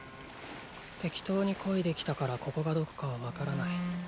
適当に漕いできたからここがどこかは分からない。